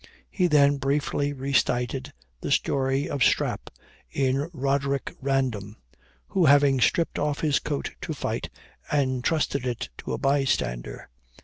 He then briefly recited the story of Strap, in Roderick Random, who having stripped off his coat to fight, entrusted it to a bystander.